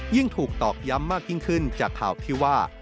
ยิ่งถูกตอกย้ำมากยิ่งขึ้นจากข่าวที่ว่า